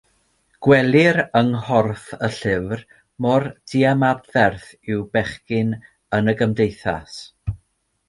Gwelir yng nghorff y llyfr mor ddiymadferth yw bechgyn yn y gymdeithas.